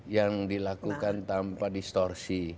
yang dilakukan tanpa distorsi